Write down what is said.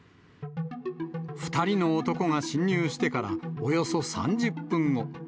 ２人の男が侵入してからおよそ３０分後。